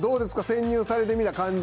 潜入されてみた感じ。